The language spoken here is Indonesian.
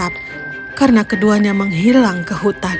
raja hanya bisa menatap karena keduanya menghilang ke hutan